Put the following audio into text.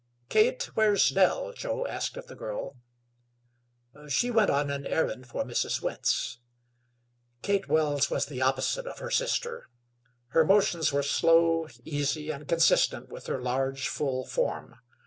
"Kate, where's Nell?" Joe asked of the girl. "She went on an errand for Mrs. Wentz." Kate Wells was the opposite of her sister. Her motions were slow, easy and consistent with her large, full, form.